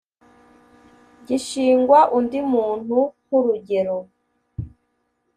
gishingwa undi muntu nk urugero